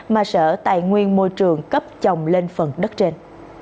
mà sở tài nguyên môi trường cấp trồng lên phần đất trên